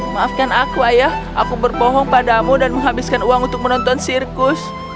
maafkan aku ayah aku berbohong padamu dan menghabiskan uang untuk menonton sirkus